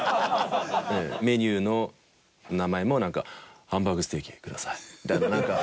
メニューの名前もなんか「ハンバーグステーキください」みたいな。